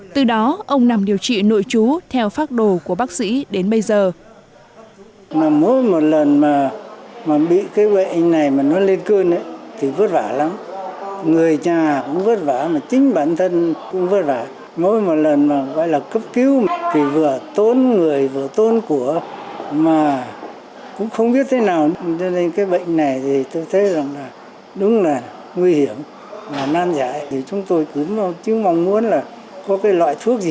từ đó ông nằm điều trị nội chú theo phác đồ của bác sĩ đến bây giờ